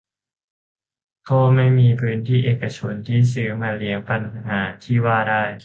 ก็ไม่มีพื้นที่เอกชน ที่ซื้อมาเลี่ยงปัญหาที่ว่าได้